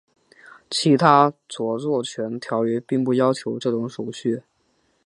其他着作权条约并不要求这种手续。